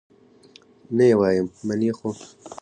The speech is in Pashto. نه یې وایم، منې خو؟